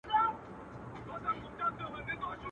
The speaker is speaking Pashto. واړه او لوی ښارونه.